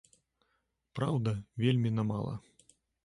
Праўда, вельмі на мала.